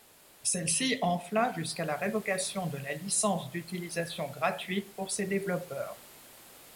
Celle-ci enfla jusqu'à la révocation de la licence d'utilisation gratuite pour ces développeurs.